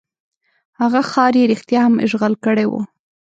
هغه ښار یې رښتیا هم اشغال کړی وو.